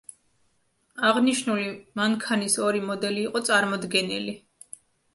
აღნიშნული მანქანის ორი მოდელი იყო წარმოდგენილი.